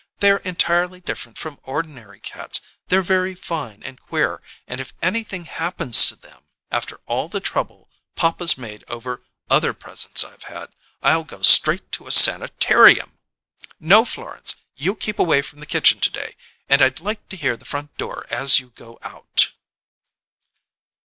They're entirely different from ordinary cats; they're very fine and queer, and if anything happens to them, after all the trouble papa's made over other presents I've had, I'll go straight to a sanitarium! No, Florence, you keep away from the kitchen to day, and I'd like to hear the front door as you go out."